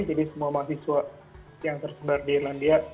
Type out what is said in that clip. jadi semua mahasiswa yang tersebar di irlandia